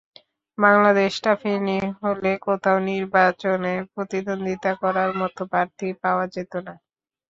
বাংলাদেশটা ফেনী হলে কোথাও নির্বাচনে প্রতিদ্বন্দ্বিতা করার মতো প্রার্থী পাওয়া যেত না।